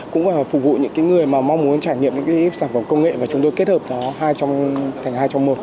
cũng là phục vụ những người mà mong muốn trải nghiệm những sản phẩm công nghệ và chúng tôi kết hợp đó thành hai trong một